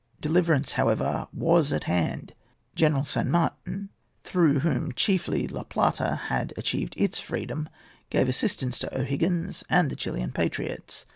Deliverance, however, was at hand. General San Martin, through whom chiefly La Plata had achieved its freedom, gave assistance to O'Higgins and the Chilian patriots.